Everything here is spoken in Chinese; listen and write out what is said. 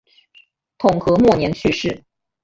统和末年去世。